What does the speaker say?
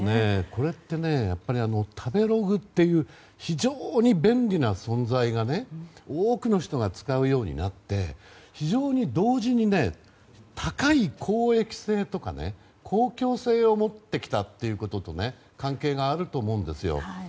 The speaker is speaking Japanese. これって食べログっていう非常に便利な存在が多くの人が使うようになって非常に同時に、高い公益性とか公共性を持ってきたということと関係があると思うんですよ。